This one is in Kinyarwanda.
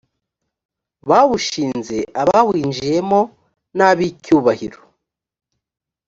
bawushinze abawinjiyemo n ab icyubahiro